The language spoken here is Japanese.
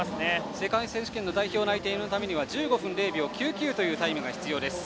世界選手権の代表内定のためには１５分０秒９９というタイムが必要です。